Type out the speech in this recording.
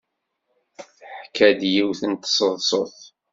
Teḥka-d yiwet n tseḍsut.